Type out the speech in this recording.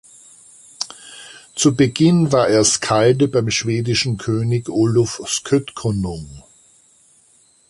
Zu Beginn war er Skalde beim schwedischen König Olof Skötkonung.